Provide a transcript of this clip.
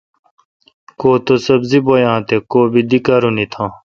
کوتو سبزی بویا تہ کو بی دی کارونی تھاں